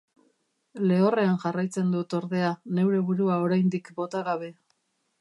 Lehorrean jarraitzen dut, ordea, neure burua oraindik bota gabe.